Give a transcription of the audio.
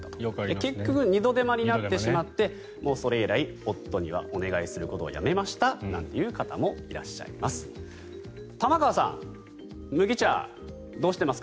結局、二度手間になってしまってもうそれ以来夫にはお願いすることをやめましたなんて方もいます。